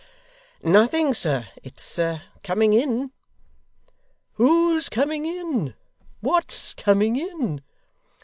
'Nothing, sir. It's coming in.' 'Who's coming in? what's coming in?